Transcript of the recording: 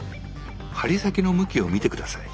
針先の向きを見て下さい。